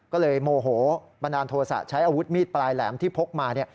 ก็เลยโมโหบันดาลโทษะใช้อาวุธมีดปลายแหลมที่พกมา